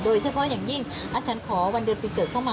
โดยเฉพาะอย่างยิ่งอาจารย์ขอวันเดือนปีเกิดเข้ามา